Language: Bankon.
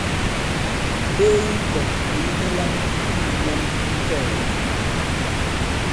Mbe yi ŋkɔ̀ŋ ndì yi ni lam inyū ǹlam mu kɔɔ̀gɛ̀.